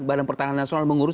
badan pertahanan nasional mengurus